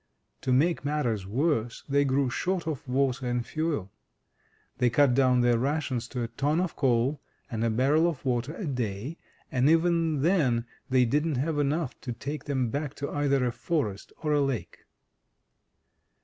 To make matters worse, they grew short of water and fuel. They cut down their rations to a ton of coal and a barrel of water a day, and even then they didn't have enough to take them back to either a forest or a lake.